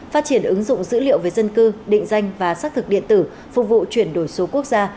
phát triển ứng dụng dữ liệu về dân cư định danh và xác thực điện tử phục vụ chuyển đổi số quốc gia